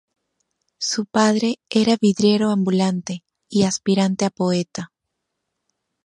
Su padre era vidriero ambulante y aspirante a poeta.